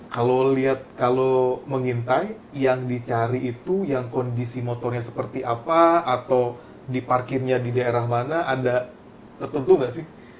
kalau mengintai yang dicari itu yang kondisi motornya seperti apa atau diparkirnya di daerah mana ada tertentu nggak sih